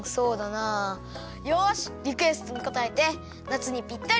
よしリクエストにこたえて夏にぴったり！